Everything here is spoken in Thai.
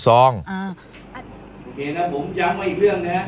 สวัสดีครับ